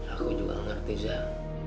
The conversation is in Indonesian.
aku juga ngerti zal